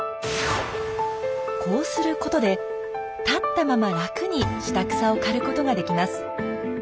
こうすることで立ったまま楽に下草を刈ることができます。